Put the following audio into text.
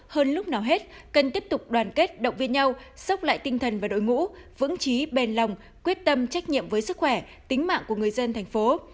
hơn lúc nào hết cần tiếp tục đoàn kết động viên nhau sốc lại tinh thần và đội ngũ vững trí bền lòng quyết tâm trách nhiệm với sức khỏe tính mạng của người dân thành phố